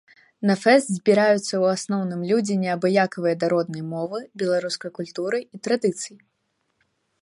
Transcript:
На фэст збіраюцца ў асноўным людзі неабыякавыя да роднай мовы, беларускай культуры і традыцый.